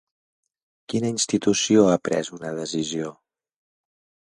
Quina institució ha pres una decisió?